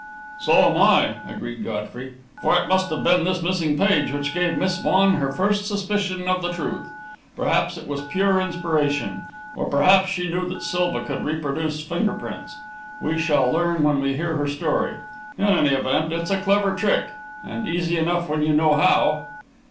"So am I!" agreed Godfrey, "for it must have been this missing page which gave Miss Vaughan her first suspicion of the truth. Perhaps it was pure inspiration or perhaps she knew that Silva could reproduce finger prints. We shall learn when we hear her story. In any event, it's a clever trick and easy enough when you know how!"